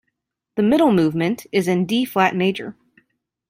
The middle movement is in D-flat major.